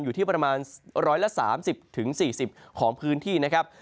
อยู่ที่ประมาณ๑๓๐๔๐ของพื้นที่นะครับ